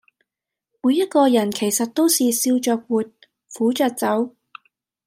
每一個人其實都是笑著活，苦著走